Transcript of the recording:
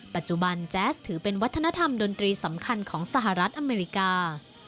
ปัจจุบันแจ๊สถือเป็นวัฒนธรรมดนตรีสำคัญของสหรัฐอเมริกา